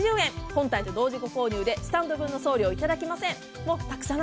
本体と同時ご購入でスタンド分の送料いただきません。